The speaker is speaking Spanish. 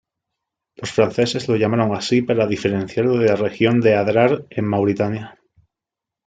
Los franceses lo llamaron así para diferenciarlo de la región de Adrar en Mauritania.